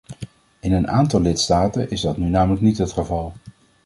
In een aantal lidstaten is dat nu namelijk niet het geval.